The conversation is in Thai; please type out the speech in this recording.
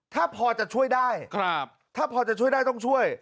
ถ้าพอจะช่วยได้ถ้าพอจะช่วยได้ต้องช่วย